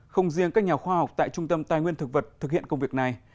không riêng các nhà khoa học tại trung tâm tài nguyên thực vật thực hiện công việc này